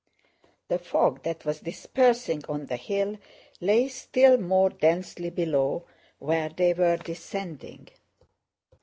The fog that was dispersing on the hill lay still more densely below, where they were descending.